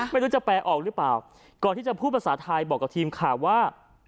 ไม่รู้จะแปลออกหรือเปล่าก่อนที่จะพูดภาษาไทยบอกกับทีมข่าวว่า